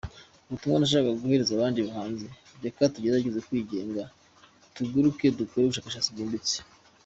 Ubutumwa nashakaga guhereza abandi bahanzi, reka tugerageze kwigenga, tuguruke, dukore ubushakashatsi bwimbitse.